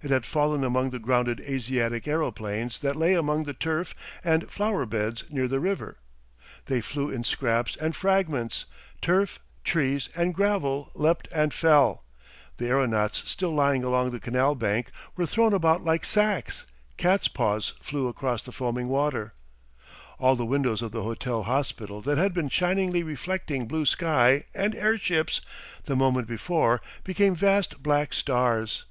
It had fallen among the grounded Asiatic aeroplanes that lay among the turf and flower beds near the river. They flew in scraps and fragments, turf, trees, and gravel leapt and fell; the aeronauts still lying along the canal bank were thrown about like sacks, catspaws flew across the foaming water. All the windows of the hotel hospital that had been shiningly reflecting blue sky and airships the moment before became vast black stars.